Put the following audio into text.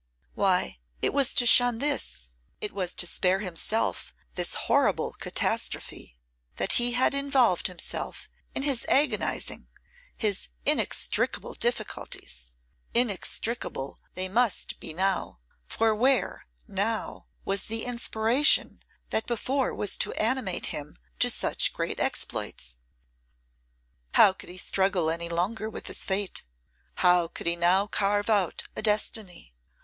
Why, it was to shun this, it was to spare himself this horrible catastrophe, that he had involved himself in his agonising, his inextricable difficulties. Inextricable they must be now; for where, now, was the inspiration that before was to animate him to such great exploits? How could he struggle any longer with his fate? How could he now carve out a destiny?